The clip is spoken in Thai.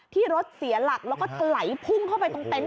ที่รถเสียหลักแล้วก็ถลายพุ่งเข้าไปตรงเต็นต